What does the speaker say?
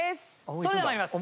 それでは参ります。